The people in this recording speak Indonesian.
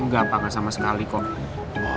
gak apa apa sama sekali kok